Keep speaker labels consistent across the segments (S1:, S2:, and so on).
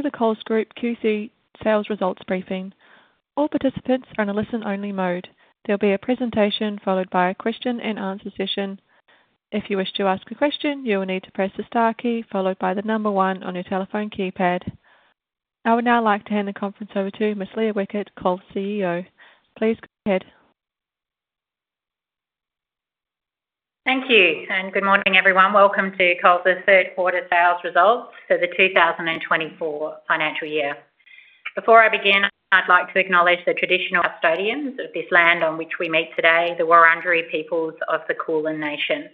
S1: Welcome to the Coles Group Q3 Sales Results Briefing. All participants are in a listen-only mode. There'll be a presentation followed by a question-and-answer session. If you wish to ask a question, you will need to press the star key, followed by the number one on your telephone keypad. I would now like to hand the conference over to Ms. Leah Weckert, Coles CEO. Please go ahead.
S2: Thank you, and good morning, everyone. Welcome to Coles's third quarter sales results for the 2024 financial year. Before I begin, I'd like to acknowledge the traditional custodians of this land on which we meet today, the Wurundjeri peoples of the Kulin Nation.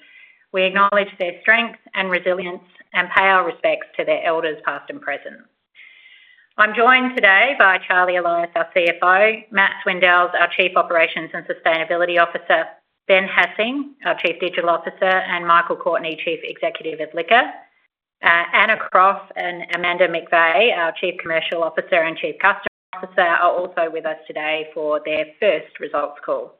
S2: We acknowledge their strength and resilience and pay our respects to their elders, past and present. I'm joined today by Charlie Elias, our CFO, Matt Swindells, our Chief Operations and Sustainability Officer, Ben Hassing, our Chief Digital Officer, and Michael Courtney, Chief Executive of Liquor. Anna Croft and Amanda McVay, our Chief Commercial Officer and Chief Customer Officer, are also with us today for their first results call.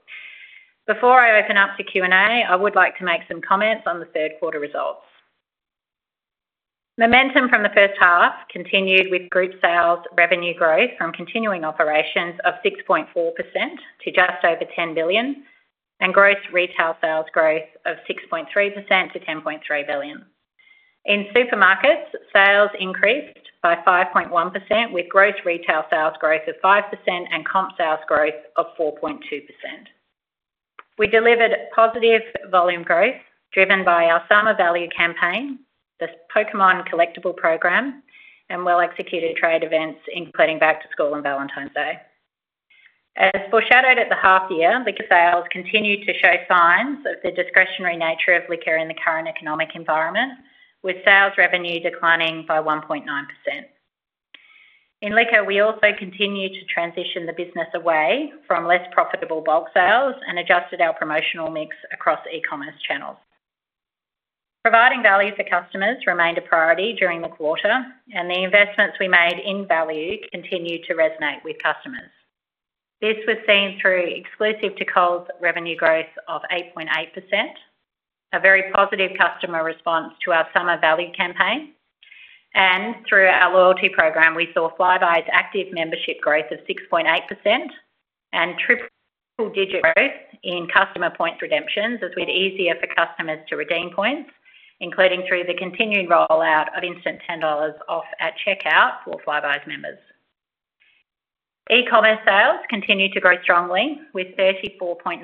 S2: Before I open up to Q&A, I would like to make some comments on the third quarter results. Momentum from the first half continued with group sales revenue growth from continuing operations of 6.4% to just over 10 billion, and gross retail sales growth of 6.3% to 10.3 billion. In supermarkets, sales increased by 5.1%, with gross retail sales growth of 5% and comp sales growth of 4.2%. We delivered positive volume growth, driven by our Summer Value campaign, the Pokémon collectible program, and well-executed trade events, including Back to School and Valentine's Day. As foreshadowed at the half year, liquor sales continued to show signs of the discretionary nature of liquor in the current economic environment, with sales revenue declining by 1.9%. In liquor, we also continued to transition the business away from less profitable bulk sales and adjusted our promotional mix across e-commerce channels. Providing value for customers remained a priority during the quarter, and the investments we made in value continued to resonate with customers. This was seen through exclusive to Coles revenue growth of 8.8%, a very positive customer response to our Summer Value campaign, and through our loyalty program, we saw Flybuys active membership growth of 6.8% and triple-digit growth in customer points redemptions, as we had easier for customers to redeem points, including through the continuing rollout of instant 10 dollars off at checkout for Flybuys members. E-commerce sales continued to grow strongly, with 34.9%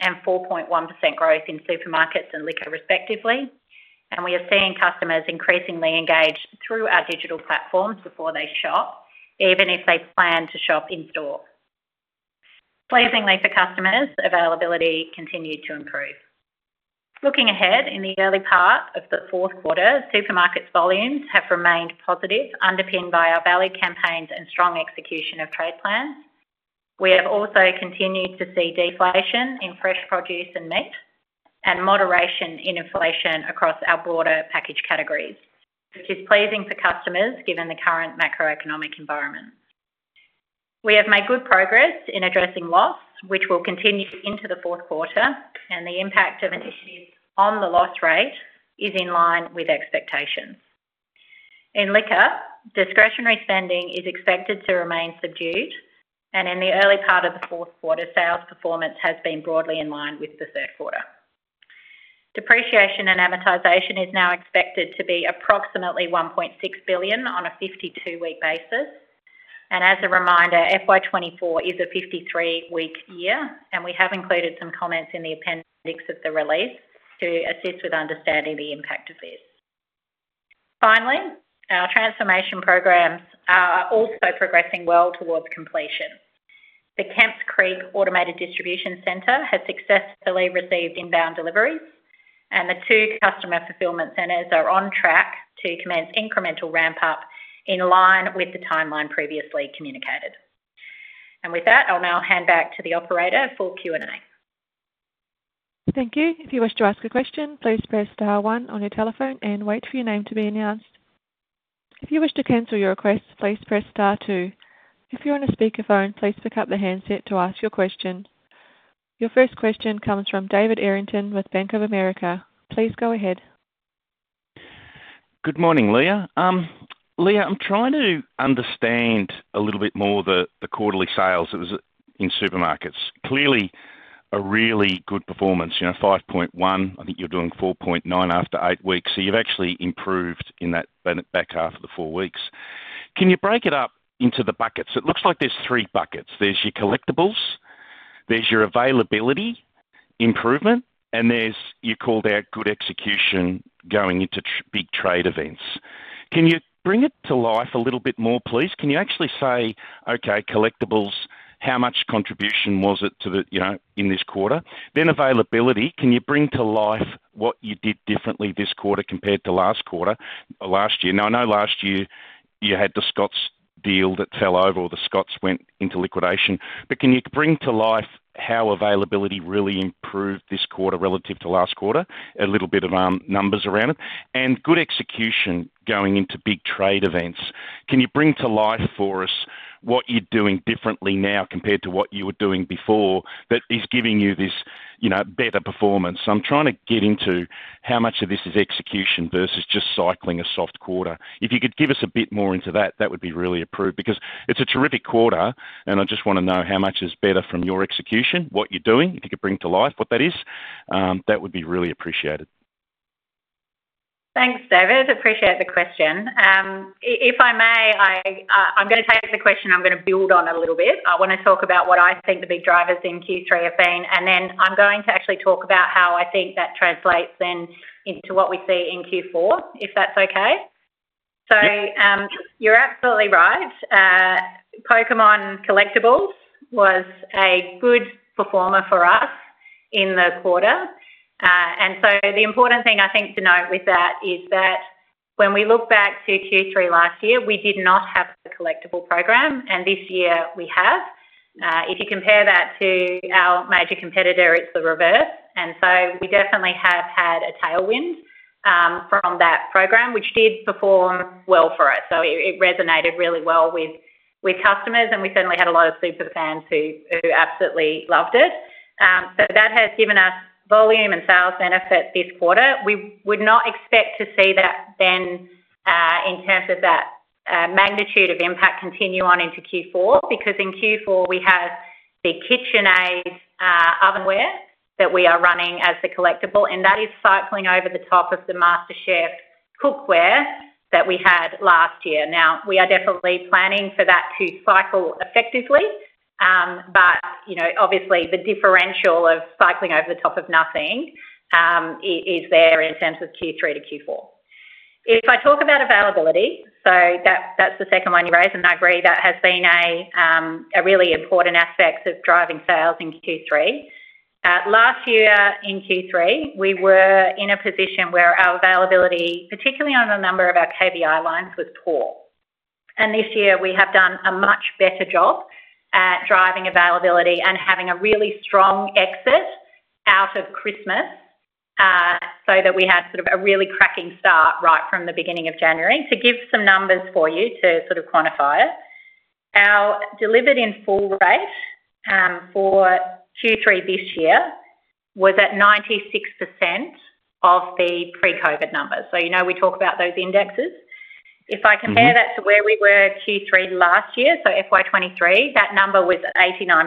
S2: and 4.1% growth in supermarkets and liquor, respectively. We are seeing customers increasingly engage through our digital platforms before they shop, even if they plan to shop in-store. Pleasingly for customers, availability continued to improve. Looking ahead, in the early part of the fourth quarter, Supermarkets' volumes have remained positive, underpinned by our value campaigns and strong execution of trade plans. We have also continued to see deflation in fresh produce and meat and moderation in inflation across our broader package categories, which is pleasing for customers, given the current macroeconomic environment. We have made good progress in addressing loss, which will continue into the fourth quarter, and the impact of initiative on the loss rate is in line with expectations. In Liquor, discretionary spending is expected to remain subdued, and in the early part of the fourth quarter, sales performance has been broadly in line with the third quarter. Depreciation and amortization is now expected to be approximately 1.6 billion on a 52-week basis, and as a reminder, FY 2024 is a 53-week year, and we have included some comments in the appendix of the release to assist with understanding the impact of this. Finally, our transformation programs are also progressing well towards completion. The Kemps Creek Automated Distribution Center has successfully received inbound deliveries, and the two customer fulfillment centers are on track to commence incremental ramp-up in line with the timeline previously communicated. And with that, I'll now hand back to the operator for Q&A.
S1: Thank you. If you wish to ask a question, please press star one on your telephone and wait for your name to be announced. If you wish to cancel your request, please press star two. If you're on a speakerphone, please pick up the handset to ask your question. Your first question comes from David Errington with Bank of America. Please go ahead.
S3: Good morning, Leah. Leah, I'm trying to understand a little bit more the quarterly sales that was in supermarkets. Clearly, a really good performance, you know, 5.1%, I think you're doing 4.9% after 8 weeks, so you've actually improved in that back half of the four weeks. Can you break it up into the buckets? It looks like there's 3 buckets. There's your collectibles, there's your availability improvement, and there's, you called out, good execution going into big trade events. Can you bring it to life a little bit more, please? Can you actually say, "Okay, collectibles, how much contribution was it to the, you know, in this quarter?" Then availability, can you bring to life what you did differently this quarter compared to last quarter, last year? Now, I know last year you had the Scott's deal that fell over or the Scott's went into liquidation, but can you bring to life how availability really improved this quarter relative to last quarter? A little bit of numbers around it. And good execution going into big trade events, can you bring to life for us, what you're doing differently now compared to what you were doing before, that is giving you this, you know, better performance. I'm trying to get into how much of this is execution versus just cycling a soft quarter. If you could give us a bit more into that, that would be really appreciated, because it's a terrific quarter, and I just wanna know how much is better from your execution, what you're doing, if you could bring to light what that is, that would be really appreciated.
S2: Thanks, David. Appreciate the question. If I may, I'm gonna take the question, and I'm gonna build on it a little bit. I wanna talk about what I think the big drivers in Q3 have been, and then I'm going to actually talk about how I think that translates then into what we see in Q4, if that's okay?
S3: Yep.
S2: So, you're absolutely right. Pokémon collectibles was a good performer for us in the quarter. And so the important thing, I think to note with that, is that when we look back to Q3 last year, we did not have the collectible program, and this year we have. If you compare that to our major competitor, it's the reverse, and so we definitely have had a tailwind from that program, which did perform well for us. So it resonated really well with customers, and we certainly had a lot of super fans who absolutely loved it. So that has given us volume and sales benefit this quarter. We would not expect to see that then, in terms of that, magnitude of impact continue on into Q4, because in Q4, we have the KitchenAid ovenware that we are running as the collectible, and that is cycling over the top of the MasterChef cookware that we had last year. Now, we are definitely planning for that to cycle effectively, but, you know, obviously, the differential of cycling over the top of nothing, is there in terms of Q3 to Q4. If I talk about availability, so that's the second one you raised, and I agree, that has been a really important aspect of driving sales in Q3. Last year in Q3, we were in a position where our availability, particularly on a number of our KVI lines, was poor. This year we have done a much better job at driving availability and having a really strong exit out of Christmas, so that we had sort of a really cracking start right from the beginning of January. To give some numbers for you to sort of quantify it, our delivered in full rate for Q3 this year was at 96% of the pre-COVID numbers. So, you know, we talk about those indexes.
S3: Mm-hmm.
S2: If I compare that to where we were Q3 last year, so FY 2023, that number was 89%.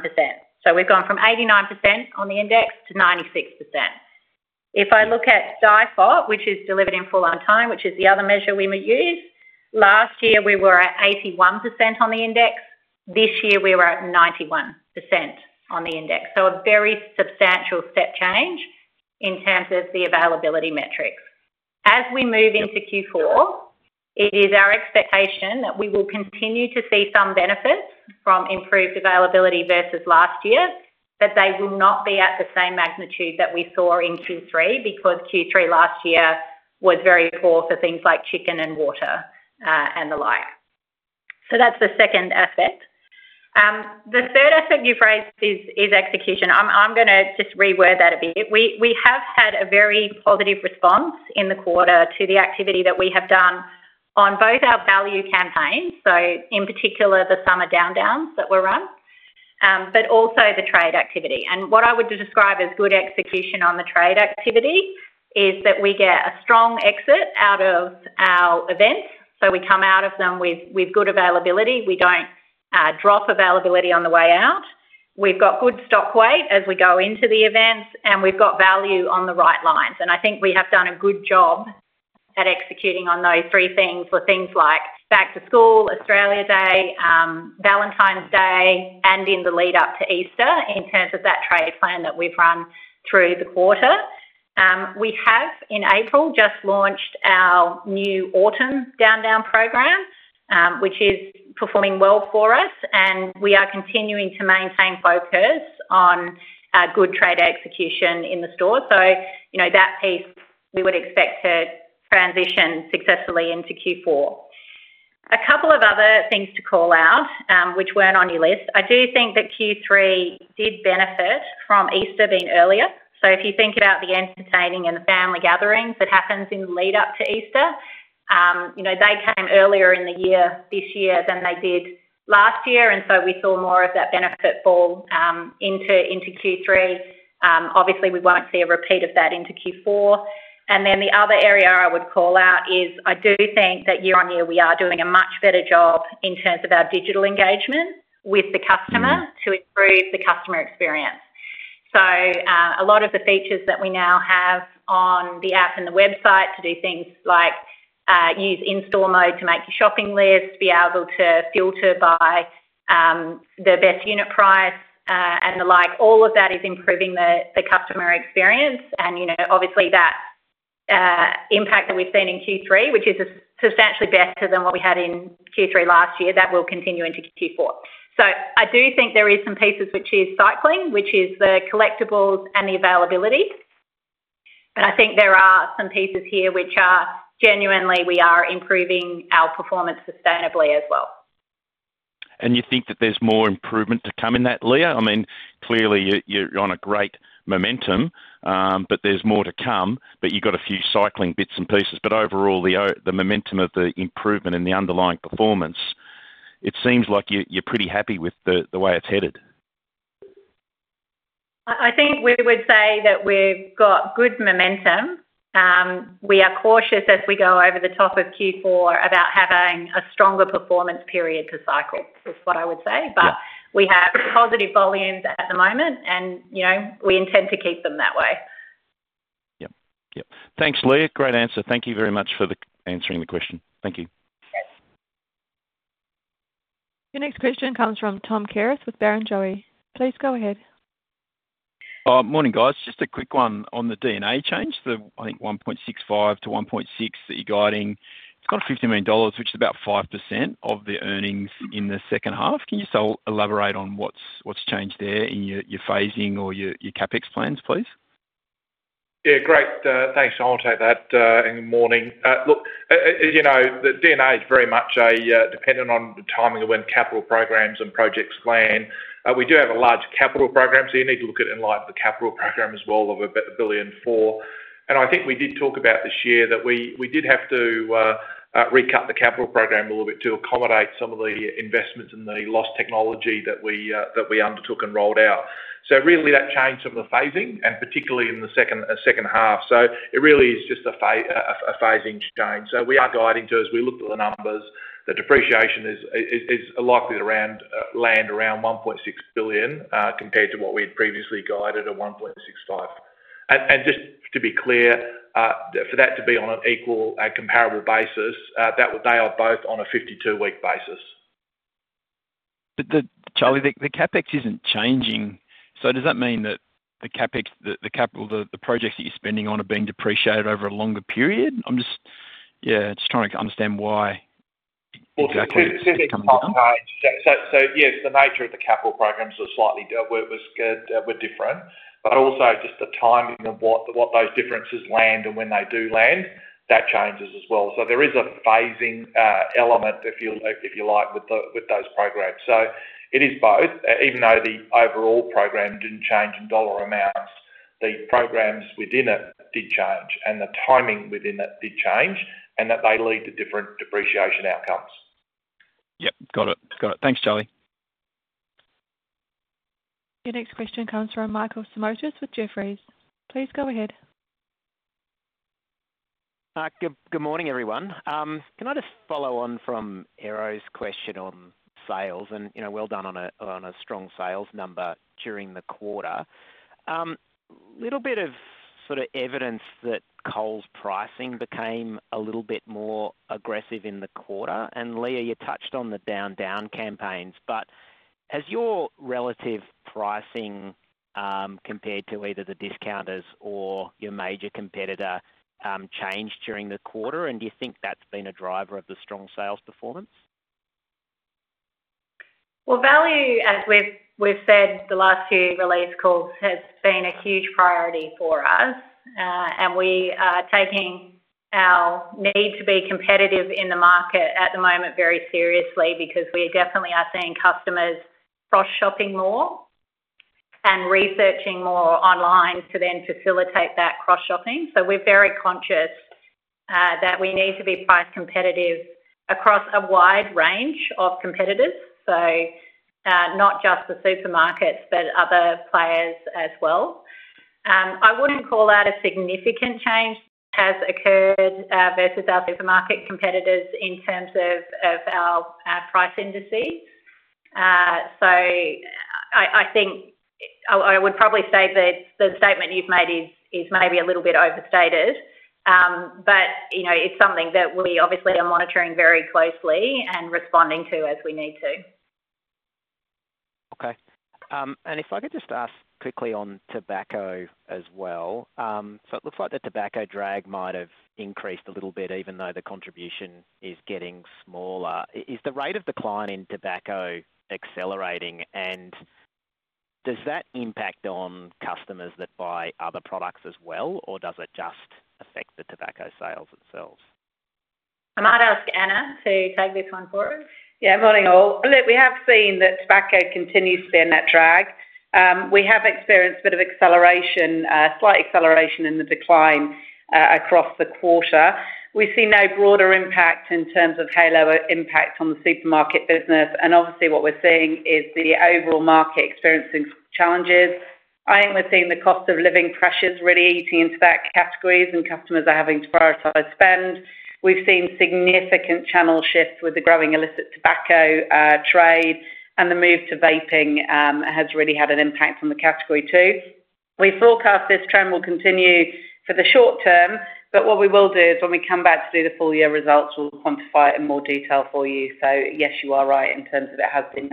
S2: So we've gone from 89% on the index to 96%. If I look at DIFOT, which is Delivered In Full On Time, which is the other measure we may use, last year we were at 81% on the index. This year, we were at 91% on the index. So a very substantial step change in terms of the availability metrics. As we move into Q4, it is our expectation that we will continue to see some benefits from improved availability versus last year, but they will not be at the same magnitude that we saw in Q3, because Q3 last year was very poor for things like chicken and water, and the like. So that's the second aspect. The third aspect you've raised is execution. I'm gonna just reword that a bit. We have had a very positive response in the quarter to the activity that we have done on both our value campaigns, so in particular, the Summer Down Down that were run, but also the trade activity. And what I would describe as good execution on the trade activity is that we get a strong exit out of our events, so we come out of them with good availability. We don't drop availability on the way out. We've got good stock weight as we go into the events, and we've got value on the right lines. I think we have done a good job at executing on those three things for things like Back to School, Australia Day, Valentine's Day, and in the lead up to Easter, in terms of that trade plan that we've run through the quarter. We have, in April, just launched our new Autumn Down Down program, which is performing well for us, and we are continuing to maintain focus on good trade execution in the store. So, you know, that piece, we would expect to transition successfully into Q4. A couple of other things to call out, which weren't on your list. I do think that Q3 did benefit from Easter being earlier. So if you think about the entertaining and the family gatherings that happens in the lead up to Easter, you know, they came earlier in the year, this year than they did last year, and so we saw more of that benefit fall into Q3. Obviously, we won't see a repeat of that into Q4. And then the other area I would call out is, I do think that year-on-year, we are doing a much better job in terms of our digital engagement with the customer-
S3: Mm-hmm
S2: to improve the customer experience. So, a lot of the features that we now have on the app and the website to do things like, use in-store mode to make your shopping list, be able to filter by, the best unit price, and the like, all of that is improving the customer experience. And, you know, obviously, that impact that we've seen in Q3, which is substantially better than what we had in Q3 last year, that will continue into Q4. So I do think there is some pieces which is cycling, which is the collectibles and the availability, but I think there are some pieces here which are genuinely, we are improving our performance sustainably as well.
S3: You think that there's more improvement to come in that, Leah? I mean, clearly, you're, you're on a great momentum, but there's more to come, but you've got a few cycling bits and pieces. But overall, the momentum of the improvement and the underlying performance, it seems like you're, you're pretty happy with the, the way it's headed.
S2: I think we would say that we've got good momentum. We are cautious as we go over the top of Q4 about having a stronger performance period to cycle, is what I would say.
S3: Yeah.
S2: But we have positive volumes at the moment, and, you know, we intend to keep them that way.
S3: Yep. Yep. Thanks, Leah. Great answer. Thank you very much for answering the question. Thank you.
S1: Your next question comes from Tom Kierath with Barrenjoey. Please go ahead.
S4: Morning, guys. Just a quick one on the D&A change, the, I think, 1.65 to 1.6 that you're guiding. It's got 50 million dollars, which is about 5% of the earnings in the second half. Can you sort of elaborate on what's changed there in your phasing or your CapEx plans, please?
S5: Yeah, great, thanks, Tom. I'll take that, and good morning. Look, as you know, the D&A is very much a dependent on the timing of when capital programs and projects plan. We do have a large capital program, so you need to look at it in light of the capital program as well, of about 1.04 billion. And I think we did talk about this year, that we did have to recut the capital program a little bit to accommodate some of the investments in the loss technology that we undertook and rolled out. So really, that changed some of the phasing, and particularly in the second half. So it really is just a phasing change. So we are guiding to, as we look at the numbers, the depreciation is likely to land around 1.6 billion, compared to what we had previously guided at 1.65. And just to be clear, for that to be on an equal and comparable basis, that would—they are both on a 52-week basis.
S4: But Charlie, the CapEx isn't changing. So does that mean that the CapEx, the capital projects that you're spending on are being depreciated over a longer period? I'm just, yeah, just trying to understand why exactly it's coming down.
S5: So yes, the nature of the capital programs are slightly different, were different. But also just the timing of what those differences land and when they do land, that changes as well. So there is a phasing element, if you like, with those programs. So it is both. Even though the overall program didn't change in dollar amounts, the programs within it did change, and the timing within it did change, and that they lead to different depreciation outcomes.
S4: Yep. Got it. Got it. Thanks, Charlie.
S1: Your next question comes from Michael Simotas with Jefferies. Please go ahead.
S6: Good, good morning, everyone. Can I just follow on from Erro's question on sales? And, you know, well done on a, on a strong sales number during the quarter. Little bit of sort of evidence that Coles pricing became a little bit more aggressive in the quarter. And, Leah, you touched on the Down Down campaigns, but has your relative pricing, compared to either the discounters or your major competitor, changed during the quarter? And do you think that's been a driver of the strong sales performance?
S2: Well, value, as we've said the last few release calls, has been a huge priority for us. And we are taking our need to be competitive in the market at the moment very seriously, because we definitely are seeing customers cross-shopping more and researching more online to then facilitate that cross-shopping. So we're very conscious that we need to be price competitive across a wide range of competitors. So, not just the supermarkets, but other players as well. I wouldn't call out a significant change has occurred versus our supermarket competitors in terms of our price indices. So I think, I would probably say that the statement you've made is maybe a little bit overstated. But, you know, it's something that we obviously are monitoring very closely and responding to as we need to.
S6: Okay. And if I could just ask quickly on tobacco as well. So it looks like the tobacco drag might have increased a little bit, even though the contribution is getting smaller. Is the rate of decline in tobacco accelerating, and does that impact on customers that buy other products as well, or does it just affect the tobacco sales themselves?
S2: I might ask Anna to take this one for us.
S7: Yeah, morning, all. Look, we have seen that tobacco continues to be in that drag. We have experienced a bit of acceleration, slight acceleration in the decline, across the quarter. We've seen no broader impact in terms of halo impact on the supermarket business, and obviously, what we're seeing is the overall market experiencing challenges. I think we're seeing the cost of living pressures really eating into that categories, and customers are having to prioritize spend. We've seen significant channel shifts with the growing illicit tobacco, trade, and the move to vaping, has really had an impact on the category, too. We forecast this trend will continue for the short term, but what we will do is when we come back to do the full year results, we'll quantify it in more detail for you. So yes, you are right, in terms of it has been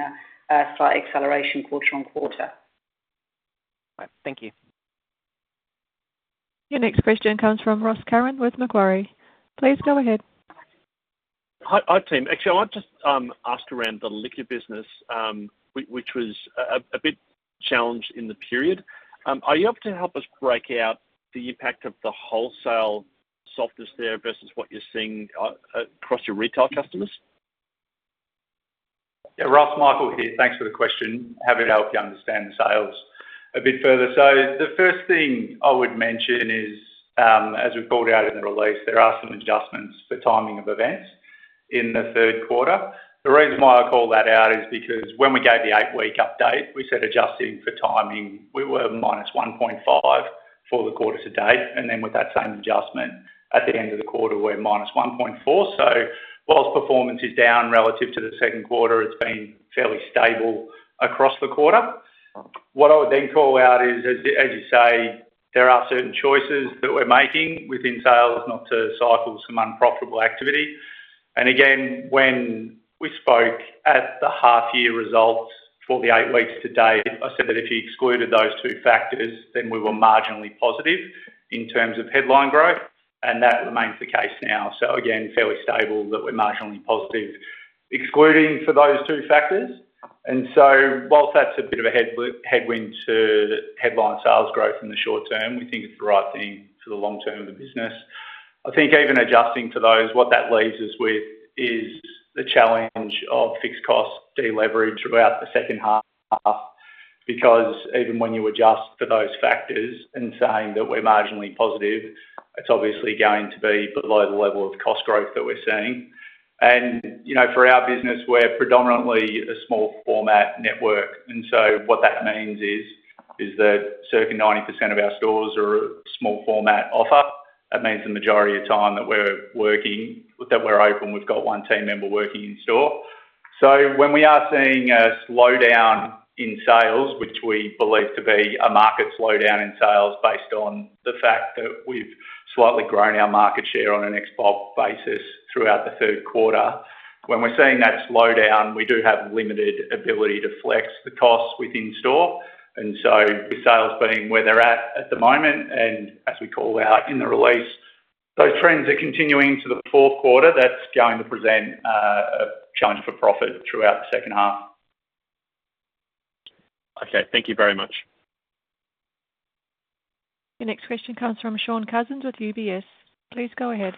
S7: a slight acceleration quarter-on-quarter.
S6: Right. Thank you.
S1: Your next question comes from Ross Curran with Macquarie. Please go ahead.
S8: Hi, hi, team. Actually, I want to ask around the liquor business, which was a bit challenged in the period. Are you able to help us break out the impact of the wholesale softness there versus what you're seeing across your retail customers?
S9: Yeah, Ross, Michael here. Thanks for the question. Happy to help you understand the sales a bit further. So the first thing I would mention is, as we called out in the release, there are some adjustments for timing of events. In the third quarter. The reason why I call that out is because when we gave the eight-week update, we said adjusting for timing, we were minus 1.5 for the quarter to date, and then with that same adjustment at the end of the quarter, we're minus 1.4. So while performance is down relative to the second quarter, it's been fairly stable across the quarter. What I would then call out is, as you say, there are certain choices that we're making within sales, not to cycle some unprofitable activity. And again, when we spoke at the half-year results for the eight weeks to date, I said that if you excluded those two factors, then we were marginally positive in terms of headline growth, and that remains the case now. So again, fairly stable, but we're marginally positive, excluding for those two factors. And so while that's a bit of a headwind to the headline sales growth in the short term, we think it's the right thing for the long term of the business. I think even adjusting to those, what that leaves us with is the challenge of fixed cost deleverage throughout the second half, because even when you adjust for those factors and saying that we're marginally positive, it's obviously going to be below the level of cost growth that we're seeing. And, you know, for our business, we're predominantly a small format network, and so what that means is that circa 90% of our stores are a small format offer. That means the majority of time that we're working, that we're open, we've got one team member working in store. So when we are seeing a slowdown in sales, which we believe to be a market slowdown in sales, based on the fact that we've slightly grown our market share on an ex-bulk basis throughout the third quarter, when we're seeing that slowdown, we do have limited ability to flex the costs within store. So with sales being where they're at the moment, and as we call out in the release, those trends are continuing to the fourth quarter. That's going to present a challenge for profit throughout the second half.
S8: Okay, thank you very much.
S1: Your next question comes from Shaun Cousins with UBS. Please go ahead.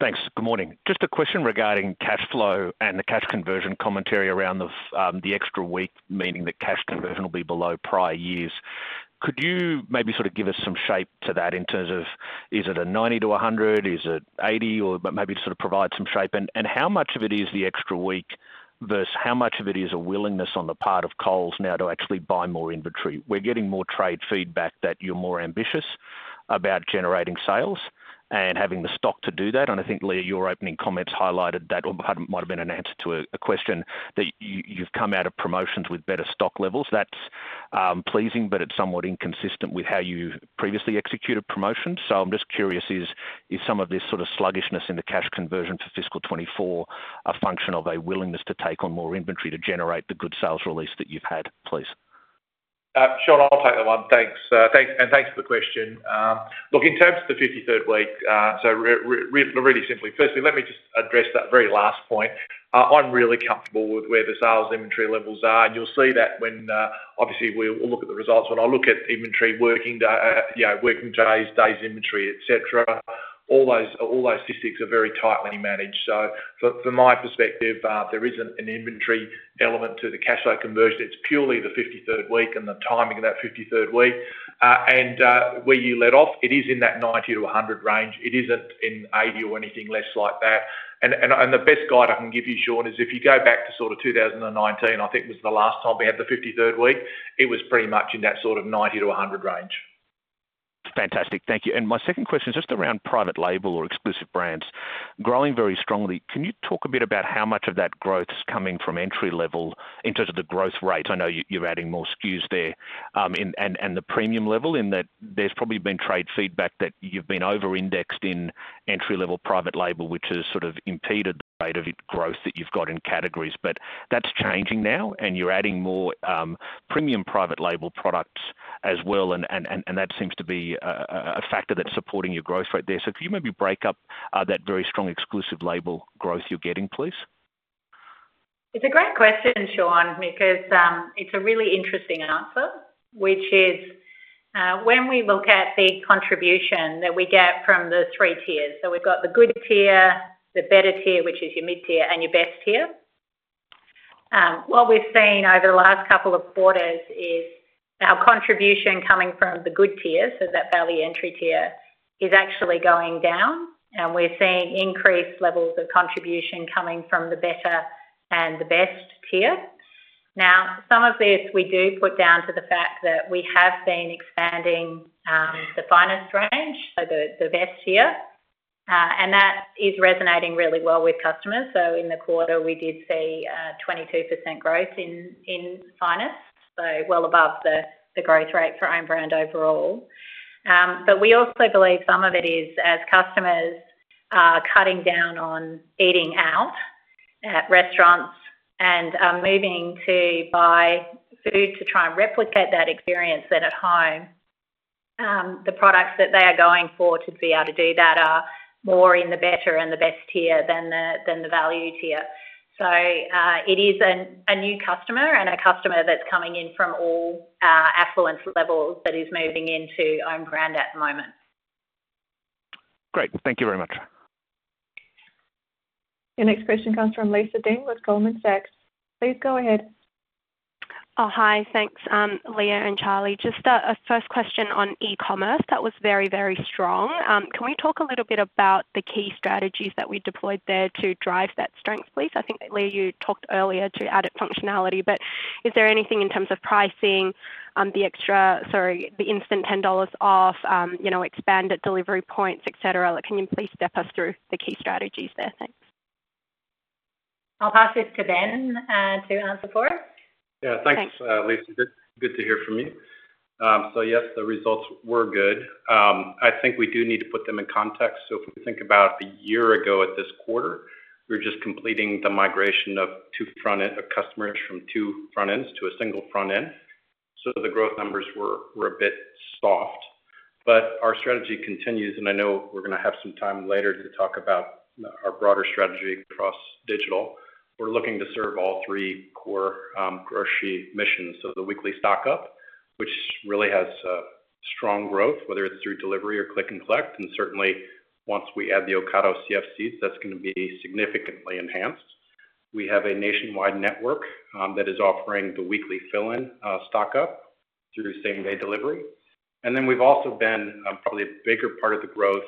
S10: Thanks. Good morning. Just a question regarding cash flow and the cash conversion commentary around the extra week, meaning that cash conversion will be below prior years. Could you maybe sort of give us some shape to that in terms of, is it a 90-100? Is it 80, or but maybe sort of provide some shape? And how much of it is the extra week, versus how much of it is a willingness on the part of Coles now to actually buy more inventory? We're getting more trade feedback that you're more ambitious about generating sales and having the stock to do that. And I think, Leah, your opening comments highlighted that or had, might have been an answer to a question, that you've come out of promotions with better stock levels. That's pleasing, but it's somewhat inconsistent with how you previously executed promotions. So I'm just curious, is some of this sort of sluggishness in the cash conversion to fiscal 2024 a function of a willingness to take on more inventory to generate the good sales release that you've had, please?
S9: Sean, I'll take that one. Thanks, thanks for the question. Look, in terms of the fifty-third week, so really simply, firstly, let me just address that very last point. I'm really comfortable with where the sales inventory levels are, and you'll see that when, obviously, we'll look at the results. When I look at inventory working day, you know, working days, days inventory, et cetera, all those statistics are very tightly managed. So from my perspective, there isn't an inventory element to the cash flow conversion. It's purely the fifty-third week and the timing of that fifty-third week. And where you let off, it is in that 90-100 range. It isn't in 80 or anything less like that. The best guide I can give you, Sean, is if you go back to sort of 2019, I think was the last time we had the 53rd week, it was pretty much in that sort of 90-100 range.
S10: Fantastic. Thank you. And my second question is just around private label or exclusive brands, growing very strongly. Can you talk a bit about how much of that growth is coming from entry level in terms of the growth rate? I know you, you're adding more SKUs there, and the premium level in that there's probably been trade feedback that you've been over-indexed in entry-level private label, which has sort of impeded the rate of growth that you've got in categories. But that's changing now, and you're adding more premium private label products as well, and that seems to be a factor that's supporting your growth rate there. So could you maybe break up that very strong exclusive label growth you're getting, please?
S2: It's a great question, Sean, because it's a really interesting answer, which is, when we look at the contribution that we get from the three tiers, so we've got the good tier, the better tier, which is your mid tier, and your best tier. What we've seen over the last couple of quarters is our contribution coming from the good tier, so that value entry tier, is actually going down, and we're seeing increased levels of contribution coming from the better and the best tier. Now, some of this we do put down to the fact that we have been expanding the Finest range, so the best tier, and that is resonating really well with customers. So in the quarter, we did see 22% growth in Finest, so well above the growth rate for own brand overall. But we also believe some of it is as customers are cutting down on eating out at restaurants and moving to buy food to try and replicate that experience then at home, the products that they are going for to be able to do that are more in the better and the best tier than the value tier. So it is a new customer and a customer that's coming in from all affluence levels that is moving into own brand at the moment.
S10: Great. Thank you very much.
S1: Your next question comes from Lisa Deng with Goldman Sachs. Please go ahead.
S11: Oh, hi. Thanks, Leah and Charlie. Just a first question on e-commerce. That was very, very strong. Can we talk a little bit about the key strategies that we deployed there to drive that strength, please? I think that, Leah, you talked earlier to add its functionality, but is there anything in terms of pricing, the instant 10 dollars off, you know, expanded delivery points, et cetera? Like, can you please step us through the key strategies there? Thanks.
S2: I'll pass it to Ben, to answer for.
S12: Yeah. Thanks-
S11: Thanks
S12: Lisa. Good, good to hear from you. So yes, the results were good. I think we do need to put them in context. So if we think about a year ago at this quarter, we were just completing the migration of two front end of customers from two front ends to a single front end. So the growth numbers were a bit soft. But our strategy continues, and I know we're gonna have some time later to talk about our broader strategy across digital. We're looking to serve all three core grocery missions. So the weekly stock-up, which really has strong growth, whether it's through delivery or click and collect, and certainly once we add the Ocado CFCs, that's gonna be significantly enhanced. We have a nationwide network that is offering the weekly fill-in stock-up through same-day delivery. And then we've also been, probably a bigger part of the growth,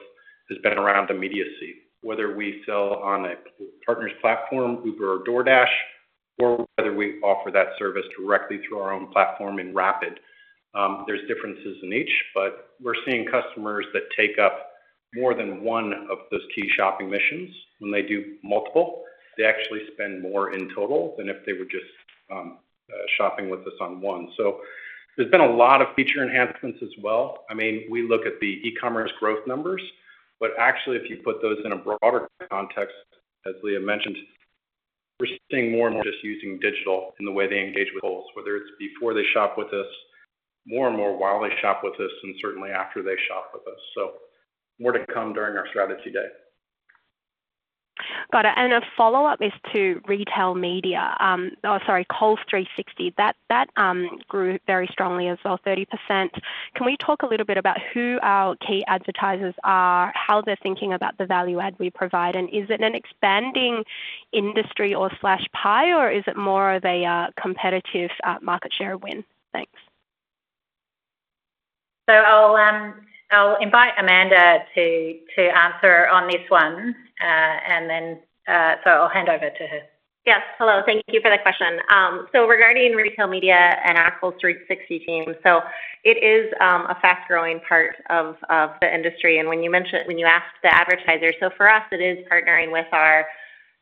S12: has been around immediacy. Whether we sell on a partner's platform, Uber or DoorDash, or whether we offer that service directly through our own platform in Rapid. There's differences in each, but we're seeing customers that take up more than one of those key shopping missions. When they do multiple, they actually spend more in total than if they were just, shopping with us on one. So there's been a lot of feature enhancements as well. I mean, we look at the E-commerce growth numbers, but actually, if you put those in a broader context, as Leah mentioned, we're seeing more and more just using digital in the way they engage with Coles. Whether it's before they shop with us, more and more while they shop with us, and certainly after they shop with us. So more to come during our strategy day.
S11: Got it. A follow-up is to retail media. Oh, sorry, Coles 360. That grew very strongly as well, 30%. Can we talk a little bit about who our key advertisers are, how they're thinking about the value add we provide? And is it an expanding industry or slash pie, or is it more of a competitive market share win? Thanks.
S2: So I'll invite Amanda to answer on this one, and then I'll hand over to her.
S13: Yes. Hello, thank you for that question. So regarding retail media and our Coles 360 team, so it is a fast-growing part of the industry. And when you ask the advertisers, so for us, it is partnering with our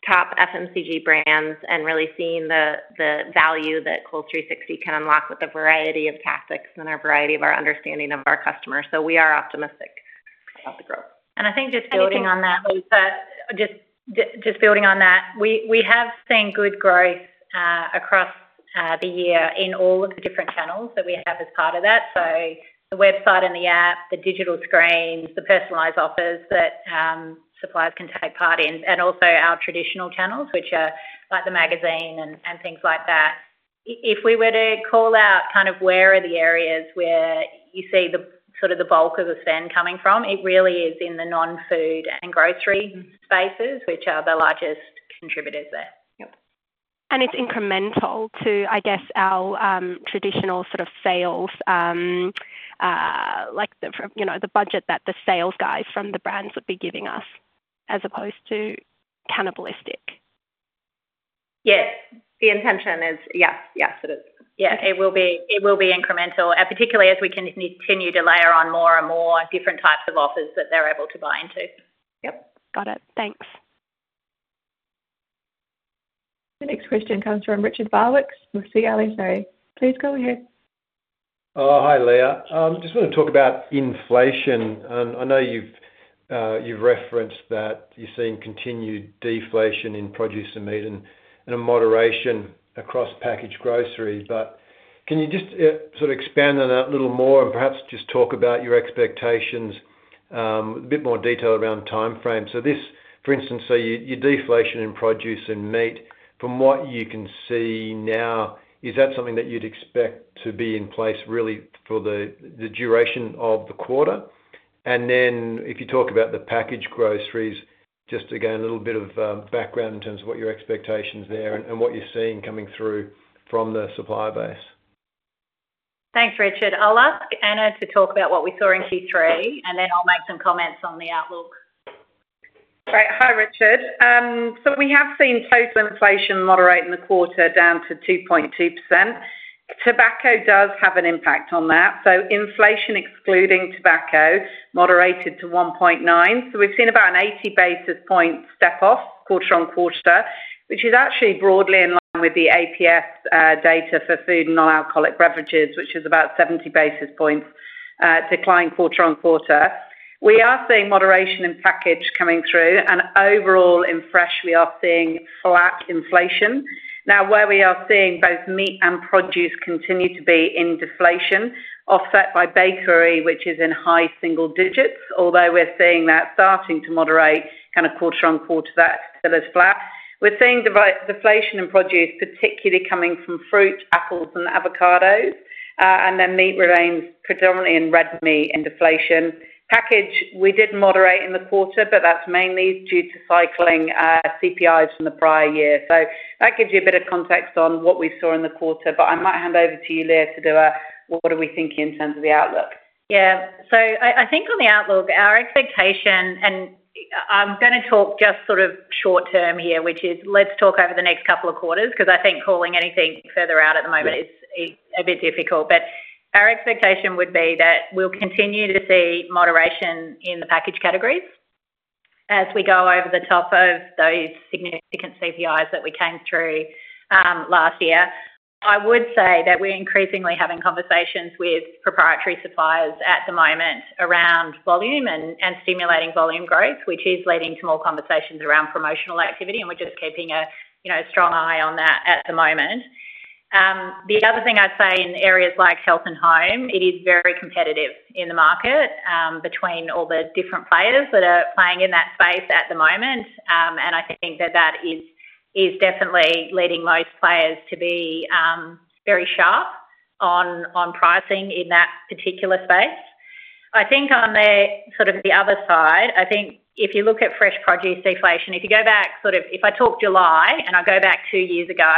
S13: top FMCG brands and really seeing the value that Coles 360 can unlock with a variety of tactics and a variety of our understanding of our customers. So we are optimistic about the growth.
S2: I think just building on that, Lisa, we have seen good growth across the year in all of the different channels that we have as part of that. So the website and the app, the digital screens, the personalized offers that suppliers can take part in, and also our traditional channels, which are like the magazine and things like that. If we were to call out kind of where are the areas where you see the sort of the bulk of the spend coming from, it really is in the non-food and grocery spaces, which are the largest contributors there.
S13: Yep.
S11: It's incremental to, I guess, our traditional sort of sales, like the, from, you know, the budget that the sales guys from the brands would be giving us, as opposed to cannibalistic?
S13: Yes. The intention is, yes, yes, it is.
S2: Yes, it will be, it will be incremental, particularly as we can continue to layer on more and more different types of offers that they're able to buy into.
S13: Yep.
S11: Got it. Thanks.
S1: The next question comes from Richard Barwick with CLSA. Sorry. Please go ahead.
S14: Hi, Leah. Just want to talk about inflation. I know you've referenced that you're seeing continued deflation in produce and meat and a moderation across packaged groceries. But can you just sort of expand on that a little more and perhaps just talk about your expectations a bit more detail around the timeframe? So, for instance, your deflation in produce and meat, from what you can see now, is that something that you'd expect to be in place really for the duration of the quarter? And then if you talk about the packaged groceries, just again, a little bit of background in terms of what your expectations there and what you're seeing coming through from the supplier base.
S2: Thanks, Richard. I'll ask Anna to talk about what we saw in Q3, and then I'll make some comments on the outlook.
S7: Great. Hi, Richard. So we have seen total inflation moderate in the quarter down to 2.2%. Tobacco does have an impact on that, so inflation, excluding tobacco, moderated to 1.9%. So we've seen about an 80 basis points step off quarter-on-quarter, which is actually broadly in line with the ABS data for food and non-alcoholic beverages, which is about 70 basis points decline quarter-on-quarter. We are seeing moderation in package coming through, and overall in fresh, we are seeing flat inflation. Now, where we are seeing both meat and produce continue to be in deflation, offset by bakery, which is in high single digits, although we're seeing that starting to moderate kind of quarter-on-quarter that it was flat. We're seeing deflation in produce, particularly coming from fruit, apples, and avocados. And then meat remains predominantly in red meat and deflation. Packaging, we did moderate in the quarter, but that's mainly due to cycling CPIs from the prior year. So that gives you a bit of context on what we saw in the quarter, but I might hand over to you, Leah, to do a what are we thinking in terms of the outlook?
S2: Yeah. So I think on the outlook, our expectation, and I'm gonna talk just sort of short term here, which is let's talk over the next couple of quarters, 'cause I think calling anything further out at the moment is a bit difficult. But our expectation would be that we'll continue to see moderation in the package categories as we go over the top of those significant CPIs that we came through last year. I would say that we're increasingly having conversations with proprietary suppliers at the moment around volume and stimulating volume growth, which is leading to more conversations around promotional activity, and we're just keeping a, you know, a strong eye on that at the moment. The other thing I'd say in areas like health and home, it is very competitive in the market between all the different players that are playing in that space at the moment. And I think that is definitely leading most players to be very sharp on pricing in that particular space. I think on the sort of the other side, I think if you look at fresh produce deflation, if you go back sort of—if I talk July, and I go back two years ago,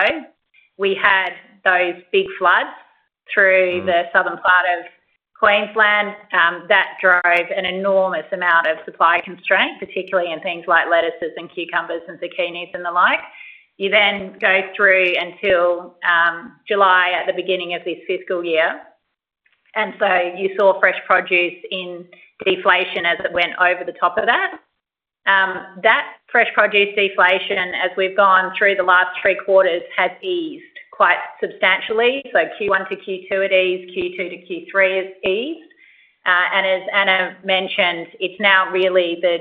S2: we had those big floods through the southern part of Queensland that drove an enormous amount of supply constraint, particularly in things like lettuces and cucumbers and zucchinis, and the like. You then go through until July, at the beginning of this fiscal year, and so you saw fresh produce in deflation as it went over the top of that. That fresh produce deflation, as we've gone through the last three quarters, has eased quite substantially. So Q1 to Q2, it eased, Q2 to Q3, it eased. And as Anna mentioned, it's now really the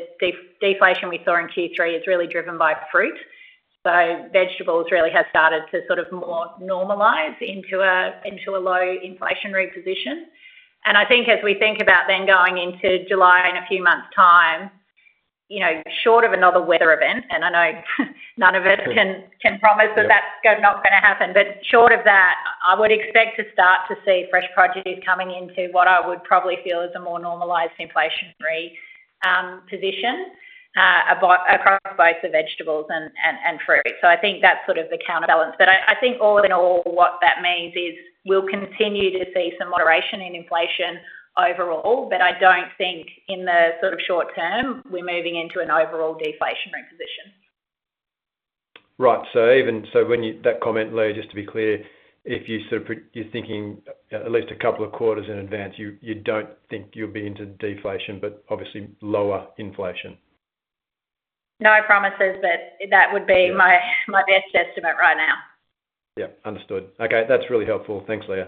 S2: deflation we saw in Q3 is really driven by fruit. So vegetables really have started to sort of more normalize into a low inflationary position. I think as we think about then going into July in a few months' time, you know, short of another weather event, and I know none of us can promise- That, that's not gonna happen. But short of that, I would expect to start to see fresh produce coming into what I would probably feel is a more normalized inflationary position across both the vegetables and fruit. So I think that's sort of the counterbalance. But I think all in all, what that means is we'll continue to see some moderation in inflation overall, but I don't think in the sort of short term, we're moving into an overall deflationary position.
S14: Right. So when you, that comment, Leah, just to be clear, if you sort of, you're thinking at least a couple of quarters in advance, you, you don't think you'll be into deflation, but obviously lower inflation?
S2: No promises, but that would be- My best estimate right now.
S14: Yeah, understood. Okay, that's really helpful. Thanks, Leah.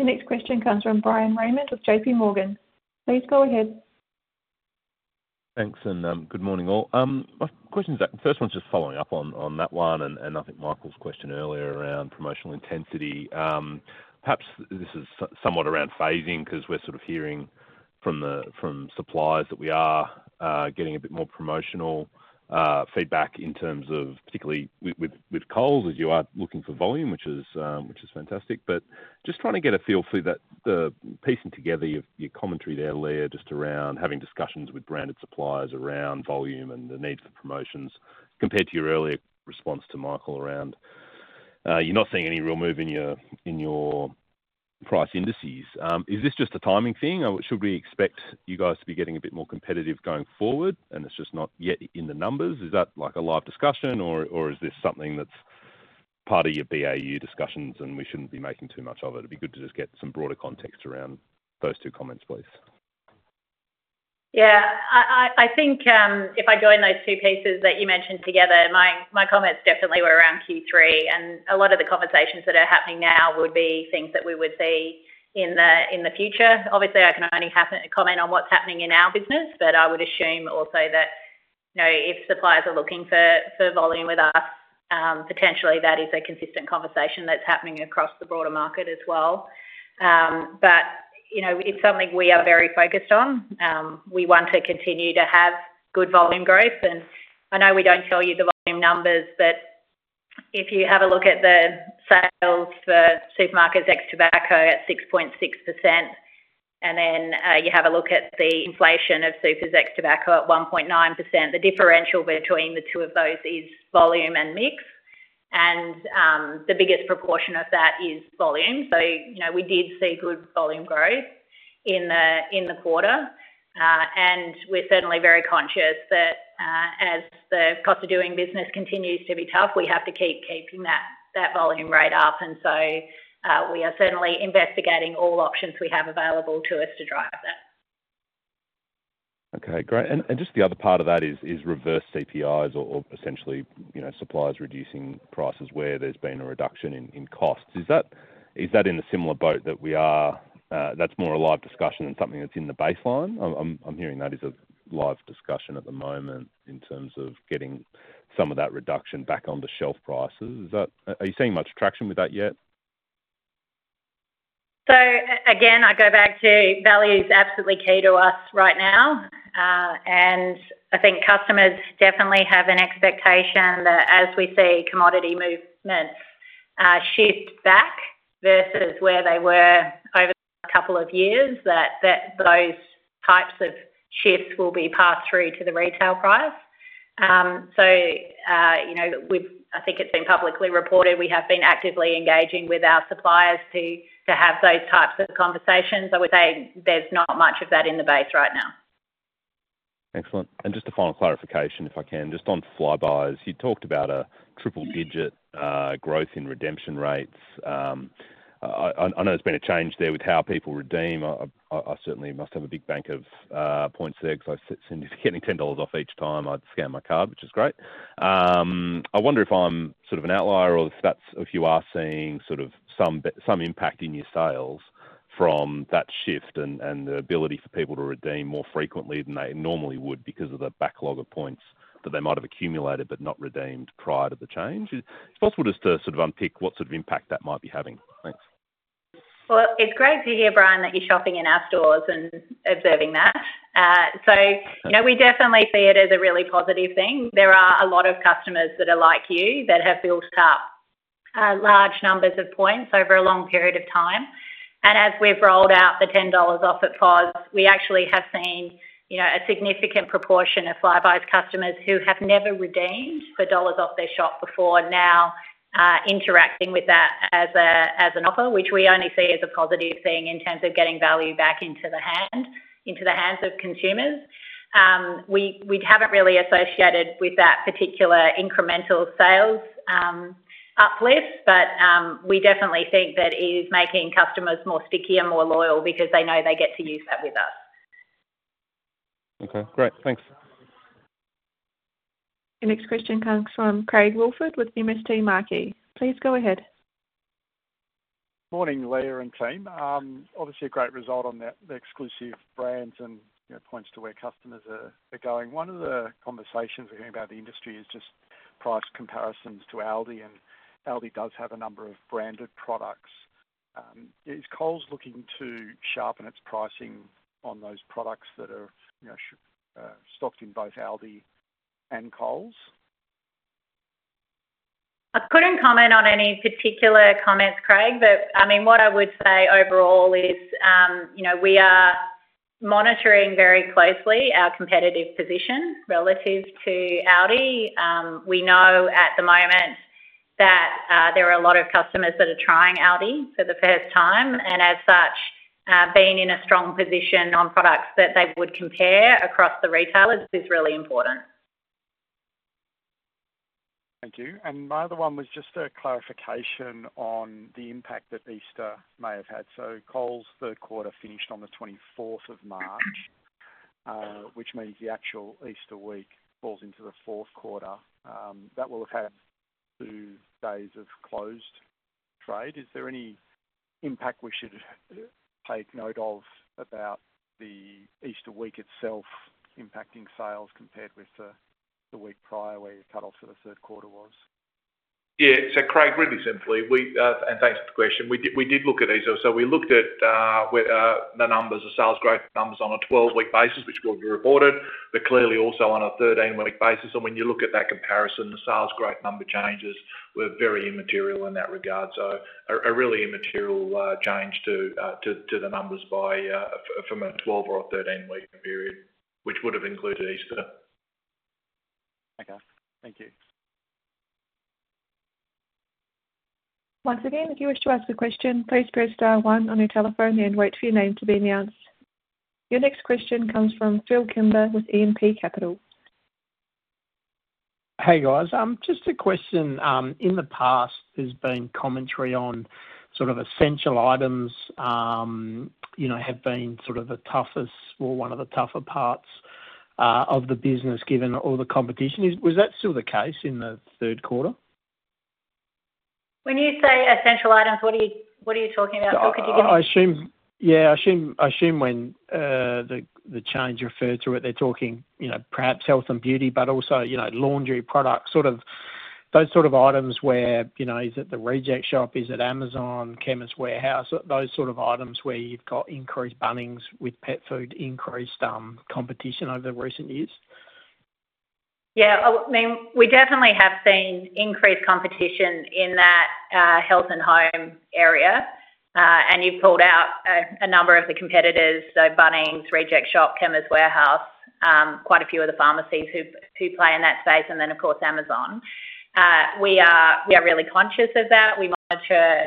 S1: The next question comes from Bryan Raymond with JPMorgan. Please go ahead.
S15: Thanks, and good morning, all. My question is, the first one is just following up on that one, and I think Michael's question earlier around promotional intensity. Perhaps this is somewhat around phasing, 'cause we're sort of hearing from suppliers that we are getting a bit more promotional feedback in terms of particularly with Coles, as you are looking for volume, which is fantastic. But just trying to get a feel for that, piecing together your commentary there, Leah, just around having discussions with branded suppliers around volume and the need for promotions, compared to your earlier response to Michael around you're not seeing any real move in your price indices. Is this just a timing thing, or should we expect you guys to be getting a bit more competitive going forward, and it's just not yet in the numbers? Is that like a live discussion, or, or is this something that's part of your BAU discussions, and we shouldn't be making too much of it? It'd be good to just get some broader context around those two comments, please.
S2: Yeah. I think, if I join those two pieces that you mentioned together, my comments definitely were around Q3, and a lot of the conversations that are happening now would be things that we would see in the future. Obviously, I can only comment on what's happening in our business, but I would assume also that, you know, if suppliers are looking for volume with us, potentially that is a consistent conversation that's happening across the broader market as well. But, you know, it's something we are very focused on. We want to continue to have good volume growth, and I know we don't show you the volume numbers, but if you have a look at the sales for supermarkets ex tobacco at 6.6%, and then you have a look at the inflation of supers ex tobacco at 1.9%, the differential between the two of those is volume and mix. And the biggest proportion of that is volume. So, you know, we did see good volume growth in the quarter. And we're certainly very conscious that as the cost of doing business continues to be tough, we have to keep that volume rate up. And so, we are certainly investigating all options we have available to us to drive that.
S15: Okay, great. And just the other part of that is reverse CPIs or essentially, you know, suppliers reducing prices where there's been a reduction in costs. Is that in a similar boat that we are? That's more a live discussion than something that's in the baseline. I'm hearing that is a live discussion at the moment in terms of getting some of that reduction back on the shelf prices. Is that- Are you seeing much traction with that yet?
S2: So again, I go back to value is absolutely key to us right now. And I think customers definitely have an expectation that as we see commodity movements shift back versus where they were over the couple of years, that those types of shifts will be passed through to the retail price. You know, I think it's been publicly reported, we have been actively engaging with our suppliers to have those types of conversations. I would say there's not much of that in the base right now.
S15: Excellent. Just a final clarification, if I can. Just on Flybuys, you talked about a triple digit growth in redemption rates. I know there's been a change there with how people redeem. I certainly must have a big bank of points there because I seem to be getting 10 dollars off each time I scan my card, which is great. I wonder if I'm sort of an outlier or if that's, if you are seeing sort of some impact in your sales from that shift and the ability for people to redeem more frequently than they normally would because of the backlog of points that they might have accumulated but not redeemed prior to the change. If possible, just to sort of unpick what sort of impact that might be having. Thanks.
S2: Well, it's great to hear, Bryan, that you're shopping in our stores and observing that. So, you know, we definitely see it as a really positive thing. There are a lot of customers that are like you, that have built up large numbers of points over a long period of time. And as we've rolled out the 10 dollars off at fifty, we actually have seen, you know, a significant proportion of Flybuys customers who have never redeemed for dollars off their shop before, now interacting with that as a, as an offer, which we only see as a positive thing in terms of getting value back into the hand, into the hands of consumers. We haven't really associated with that particular incremental sales uplift, but we definitely think that it is making customers more stickier, more loyal because they know they get to use that with us.
S15: Okay, great. Thanks.
S1: Your next question comes from Craig Woolford with MST Marquee. Please go ahead.
S16: Morning, Leah and team. Obviously a great result on the exclusive brands and, you know, points to where customers are going. One of the conversations we're hearing about the industry is just price comparisons to Aldi, and Aldi does have a number of branded products. Is Coles looking to sharpen its pricing on those products that are, you know, stocked in both Aldi and Coles?
S2: I couldn't comment on any particular comments, Craig, but I mean, what I would say overall is, you know, we are monitoring very closely our competitive position relative to Aldi. We know at the moment that there are a lot of customers that are trying Aldi for the first time, and as such, being in a strong position on products that they would compare across the retailers is really important.
S16: Thank you. And my other one was just a clarification on the impact that Easter may have had. So Coles's third quarter finished on the 24th of March, which means the actual Easter week falls into the fourth quarter. That will have had two days of closed trade. Is there any impact we should take note of about the Easter week itself impacting sales compared with the week prior, where your cutoff for the third quarter was?
S5: Yeah, so Craig, really simply, we, and thanks for the question. We did, we did look at Easter. So we looked at the numbers, the sales growth numbers on a 12-week basis, which will be reported, but clearly also on a 13-week basis. And when you look at that comparison, the sales growth number changes were very immaterial in that regard. So a really immaterial change to the numbers from a 12- or 13-week period, which would have included Easter.
S16: Okay. Thank you.
S1: Once again, if you wish to ask a question, please press star one on your telephone and wait for your name to be announced. Your next question comes from Phil Kimber with E&P Capital.
S17: Hey, guys. Just a question, in the past, there's been commentary on sort of essential items, you know, have been sort of the toughest or one of the tougher parts of the business, given all the competition. Was that still the case in the third quarter?
S2: When you say essential items, what are you talking about, Phil? Could you give-
S17: I assume. Yeah, I assume when the change referred to it, they're talking, you know, perhaps health and beauty, but also, you know, laundry products, sort of, those sort of items where, you know, is it the Reject Shop? Is it Amazon, Chemist Warehouse? Those sort of items where you've got increased Bunnings with pet food, increased competition over the recent years.
S2: Yeah, I mean, we definitely have seen increased competition in that health and home area, and you've pulled out a number of the competitors, so Bunnings, Reject Shop, Chemist Warehouse, quite a few of the pharmacies who play in that space, and then, of course, Amazon. We are really conscious of that. We monitor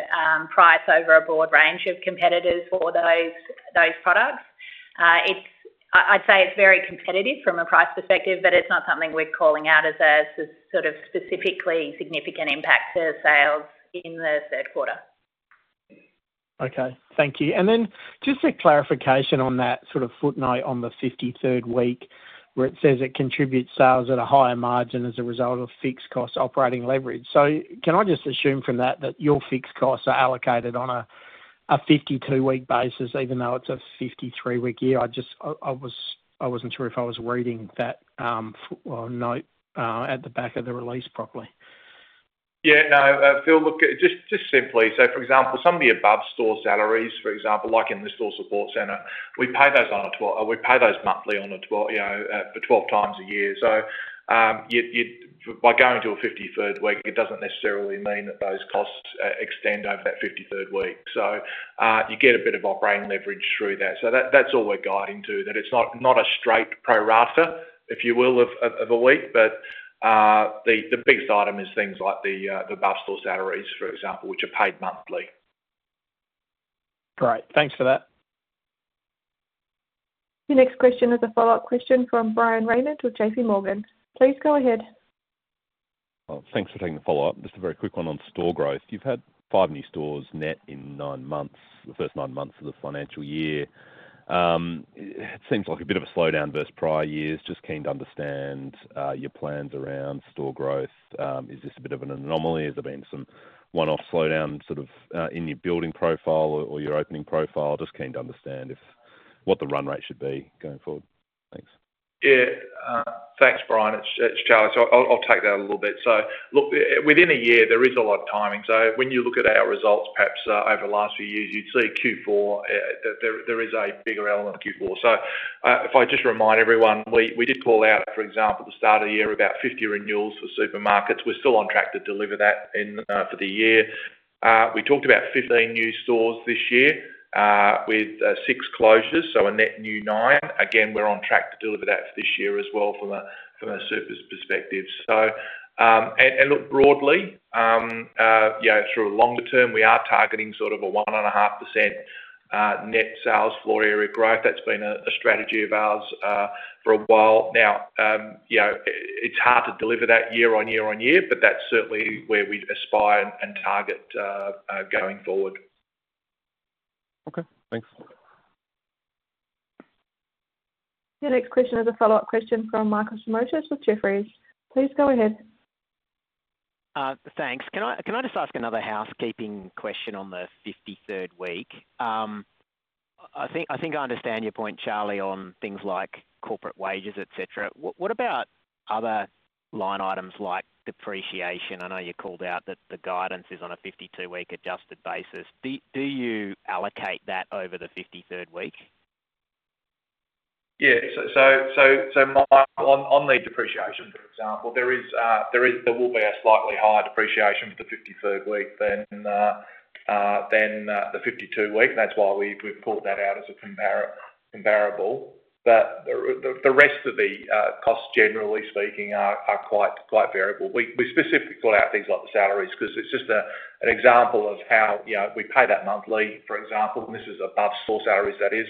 S2: price over a broad range of competitors for those products. It's, I'd say, very competitive from a price perspective, but it's not something we're calling out as a sort of specifically significant impact to sales in the third quarter.
S17: Okay, thank you. And then just a clarification on that sort of footnote on the 53rd week, where it says it contributes sales at a higher margin as a result of fixed cost operating leverage. So can I just assume from that, that your fixed costs are allocated on a 52-week basis, even though it's a 53-week year? I just, I wasn't sure if I was reading that footnote at the back of the release properly.
S5: Yeah, no, Phil, look, just, just simply, so for example, some of the above store salaries, for example, like in the Store Support Centre, we pay those on a, we pay those monthly on a, you know, for 12 times a year. So, you by going to a 53rd week, it doesn't necessarily mean that those costs extend over that 53rd week. So, you get a bit of operating leverage through that. So that, that's all we're guiding to, that it's not a straight pro rata, if you will, of a week. But the biggest item is things like the above store salaries, for example, which are paid monthly.
S17: Great, thanks for that.
S1: Your next question is a follow-up question from Bryan Raymond with JP Morgan. Please go ahead.
S15: Well, thanks for taking the follow-up. Just a very quick one on store growth. You've had five new stores net in nine months, the first nine months of the financial year. It seems like a bit of a slowdown versus prior years. Just keen to understand your plans around store growth. Is this a bit of an anomaly? Has there been some one-off slowdown sort of in your building profile or your opening profile? Just keen to understand if what the run rate should be going forward. Thanks.
S5: Yeah. Thanks, Bryan. It's, it's Charlie. So I'll, I'll take that a little bit. So look, within a year, there is a lot of timing. So when you look at our results, perhaps over the last few years, you'd see Q4, there, there is a bigger element of Q4. So, if I just remind everyone, we, we did call out, for example, at the start of the year, about 50 renewals for supermarkets. We're still on track to deliver that in for the year. We talked about 15 new stores this year with six closures, so a net new 9. Again, we're on track to deliver that this year as well from a surface perspective. Look broadly, you know, through a longer term, we are targeting sort of a 1.5% net sales floor area growth. That's been a strategy of ours, for a while now. You know, it's hard to deliver that year on year on year, but that's certainly where we aspire and target, going forward.
S15: Okay, thanks.
S1: Your next question is a follow-up question from Michael Simotas with Jefferies. Please go ahead.
S6: Thanks. Can I just ask another housekeeping question on the 53rd week? I think I understand your point, Charlie, on things like corporate wages, et cetera. What about other line items like depreciation? I know you called out that the guidance is on a 52-week adjusted basis. Do you allocate that over the 53rd week?
S5: Yeah. So, Mike, on the depreciation, for example, there will be a slightly higher depreciation for the 53rd week than the 52-week. That's why we've called that out as a comparable. But the rest of the costs, generally speaking, are quite variable. We specifically call out things like the salaries, 'cause it's just an example of how, you know, we pay that monthly, for example, and this is above-store salaries, that is.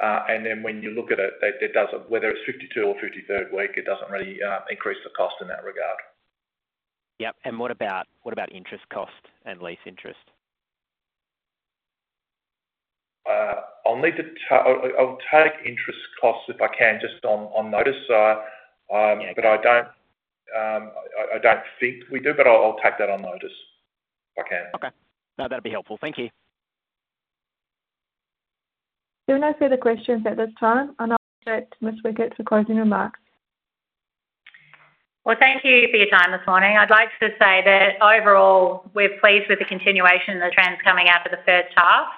S5: And then when you look at it, it doesn't, whether it's 52- or 53rd week, it doesn't really increase the cost in that regard.
S6: Yep, and what about, what about interest cost and lease interest?
S5: I'll take interest costs, if I can, just on notice.
S6: Yeah.
S5: but I don't think we do, but I'll take that on notice if I can.
S6: Okay. No, that'd be helpful. Thank you.
S1: There are no further questions at this time. I'll get to Ms. Weckert for closing remarks.
S2: Well, thank you for your time this morning. I'd like to say that overall, we're pleased with the continuation of the trends coming out of the first half,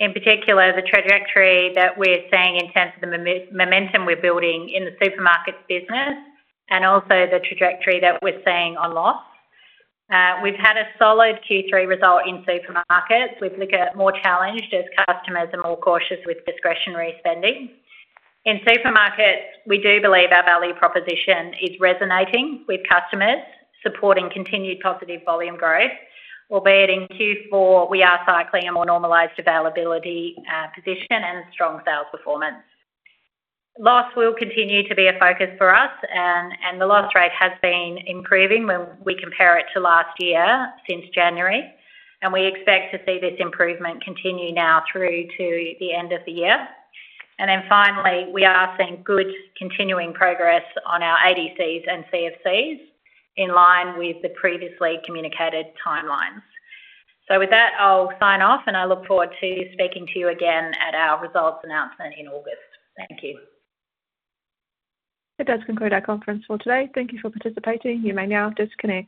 S2: in particular, the trajectory that we're seeing in terms of the momentum we're building in the supermarkets business, and also the trajectory that we're seeing on liquor. We've had a solid Q3 result in supermarkets. Liquor looks more challenged as customers are more cautious with discretionary spending. In supermarkets, we do believe our value proposition is resonating with customers, supporting continued positive volume growth. Albeit in Q4, we are cycling a more normalized availability position and a strong sales performance. Loss will continue to be a focus for us, and the loss rate has been improving when we compare it to last year, since January, and we expect to see this improvement continue now through to the end of the year. And then finally, we are seeing good continuing progress on our ADCs and CFCs, in line with the previously communicated timelines. So with that, I'll sign off, and I look forward to speaking to you again at our results announcement in August. Thank you.
S1: That does conclude our conference call today. Thank you for participating. You may now disconnect.